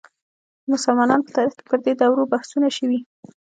د مسلمانانو په تاریخ کې پر دې دورو بحثونه شوي.